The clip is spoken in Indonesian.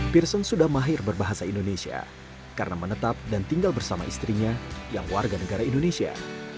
peerson sudah mahir berbahasa indonesia karena menetap dan tinggal bersama istrinya yang warga negara indonesia